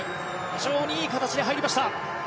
非常にいい形で入りました。